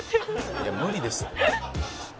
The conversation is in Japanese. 「いや無理ですって」